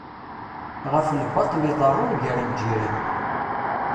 Ɣef lbaṭṭel i iḍerrun gar lǧiran.